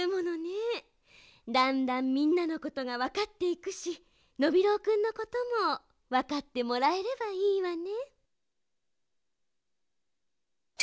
だんだんみんなのことがわかっていくしノビローくんのこともわかってもらえればいいわね。